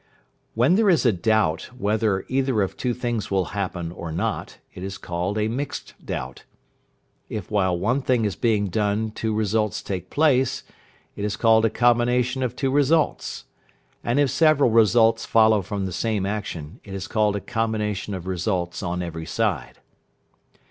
When there is a doubt whether either of two things will happen or not, it is called a mixed doubt. If while one thing is being done two results take place, it is called a combination of two results, and if several results follow from the same action, it is called a combination of results on every side.